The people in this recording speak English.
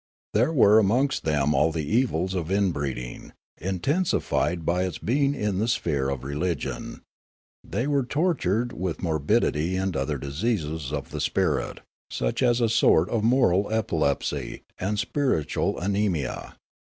There were amongst them all the evils of inbreeding, intensified by its being in the sphere of religion ; thej^ were tortured with morbidit}' and other diseases of the spirit, such as a sort of moral epilepsy, and spiritual anaemia.